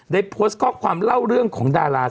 ได้โพสต์ข้อความเล่าเรื่องของดารา